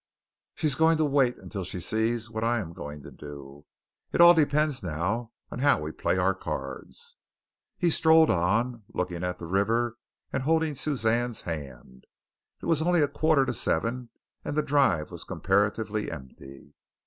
She's going to wait until she sees what I am going to do. It all depends now on how we play our cards." He strolled on, looking at the river and holding Suzanne's hand. It was only a quarter to seven and the drive was comparatively empty.